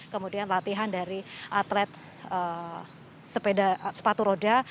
kemudian latihan dari atlet sepatu roda